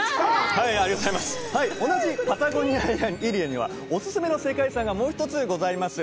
はいありがとうございます同じパタゴニアエリアにはオススメの世界遺産がもう１つございます